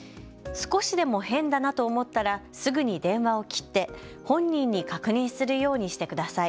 少しでも変だなと思ったらすぐに電話を切って本人に確認するようにしてください。